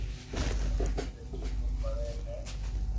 انڌس پبلڪ اسڪول مون پڙي ھي